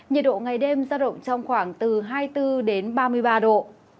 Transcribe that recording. nhiệt độ ngày đêm ra động trong khoảng từ hai mươi bốn ba mươi ba độ